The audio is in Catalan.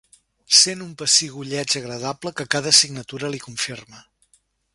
Sent un pessigolleig agradable que cada signatura li confirma.